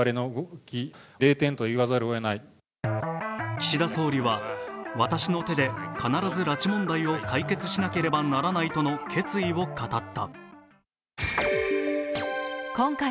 岸田総理は私の手で必ず拉致問題を解決しなければならないとの決意を語った。